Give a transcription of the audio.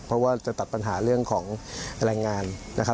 เพราะว่าจะตัดปัญหาเรื่องของแรงงานนะครับ